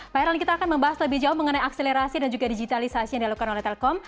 pak heran kita akan membahas lebih jauh mengenai akselerasi dan juga digitalisasi yang dilakukan oleh telkom